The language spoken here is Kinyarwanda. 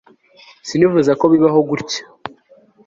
sinifuzaga ko bibaho gutya